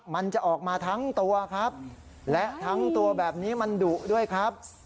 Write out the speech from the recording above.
มันจะออกมาทั้งตัวครับและทั้งตัวแบบนี้มันดุด้วยครับ